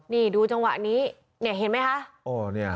นี่ดูจังหวะนี้เนี่ยเห็นไหมคะโอ้เนี่ย